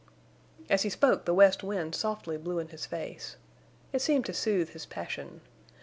As he spoke the west wind softly blew in his face. It seemed to soothe his passion.